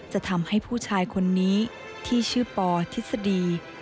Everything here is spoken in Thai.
จะทำให้ผู้ชายคนนี้ที่ชื่อปอทฤษฎี